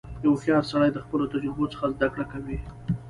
• یو هوښیار سړی د خپلو تجربو څخه زدهکړه کوي.